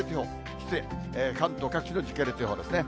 失礼、関東各地の時系列予報ですね。